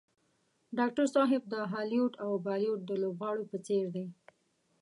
ډاکټر صاحب د هالیوډ او بالیوډ د لوبغاړو په څېر دی.